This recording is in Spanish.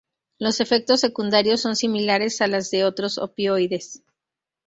Los efectos secundarios son similares a las de otros opioides.